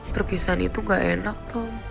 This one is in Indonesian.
perpisahan itu gak enak tom